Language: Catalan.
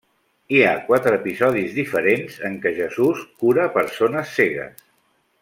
Hi ha quatre episodis diferents en què Jesús cura persones cegues.